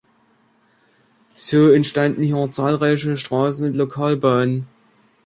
So entstanden hier zahlreiche Strassen- und Lokalbahnen.